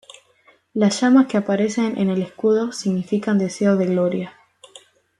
Las llamas que aparecen en el escudo significan deseo de gloria.